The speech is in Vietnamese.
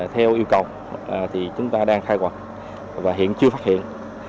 theo yêu cầu thì chúng ta đang khai quật và hiện chưa phát hiện